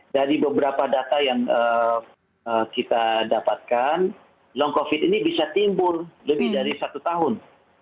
dari beberapa data yang kita dapatkan long covid ini bisa timbul lebih dari satu tahun